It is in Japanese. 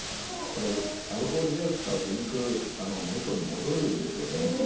これ、アルコールジェル使うと、インク、元に戻るんですよね。